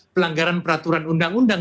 pelanggaran peraturan undang undang